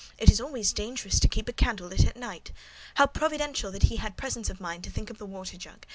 "It is always dangerous to keep a candle lit at night." "How providential that he had presence of mind to think of the water jug!"